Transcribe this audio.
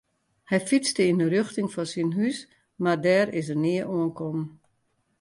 Hy fytste yn 'e rjochting fan syn hús mar dêr is er nea oankommen.